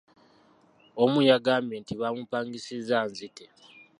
Omu yangambye nti bamupangisizza anzite.